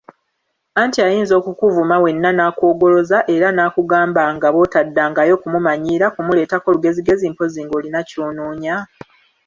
Anti ayinza okukuvuma wenna nakwogoloza era nakugambanga bw'otaddangayo kumumanyiira, kumuleetako lugezigezi, mpozzi ng'olina ky'onoonya?